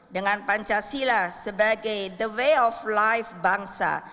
dengan pancasila sebagai the way of life bangsa